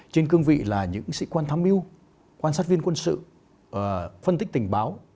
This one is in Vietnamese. trên cương vị là những sĩ quan tham mưu quan sát viên quân sự phân tích tình báo